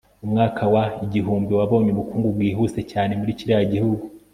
umwaka wa ighumbi wabonye ubukungu bwihuse cyane muri kiriya gihugu